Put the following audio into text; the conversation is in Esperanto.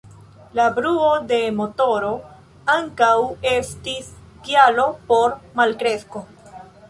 La bruo de motoro ankaŭ estis kialo por malkresko.